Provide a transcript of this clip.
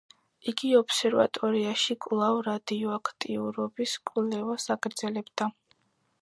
იგი ობსერვატორიაში კვლავ რადიოაქტიურობის კვლევას აგრძელებდა.